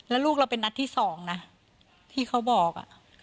แล้วลูกเราเป็นนัดที่๒นะที่เขาบอก